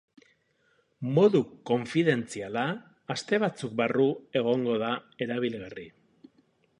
Modu konfidentziala aste batzuk barru egongo da erabilgarri.